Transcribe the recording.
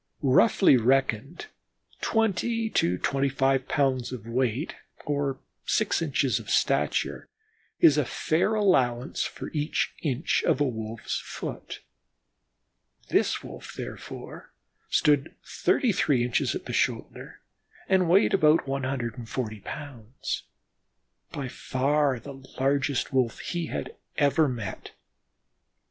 Roughly reckoned, twenty to twenty five pounds of weight or six inches of stature is a fair allowance for each inch of a Wolf's foot; this Wolf therefore stood thirty three inches at the shoulder and weighed about one hundred and forty pounds, by far the largest Wolf he had ever met.